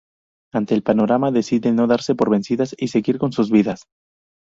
Ante el panorama deciden no darse por vencidas y seguir con sus vidas.